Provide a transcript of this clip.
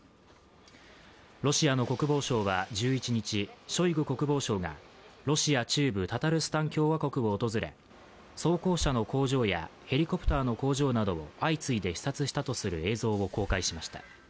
ロシアの国防省は１１日、ショイグ国防相がロシア中部タタルスタン共和国を訪れ、装甲車の工場やヘリコプターの工場などを相次いで視察したとする映像を公開しました。